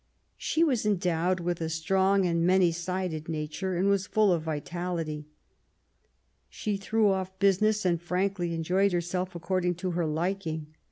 She was endowed with a strong and many sided nature, and was full of vitality. She threw off business and frankly enjoyed herself according to her liking.